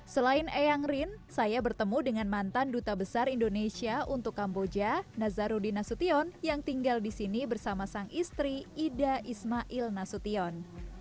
selain eyang rin saya bertemu dengan mantan duta besar indonesia untuk kamboja nazarudina sution yang tinggal di sini bersama sang istri ida ismail nasution